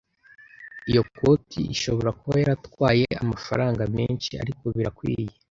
Iyo koti ishobora kuba yaratwaye amafaranga menshi, ariko birakwiye.